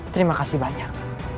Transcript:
terima kasih banyak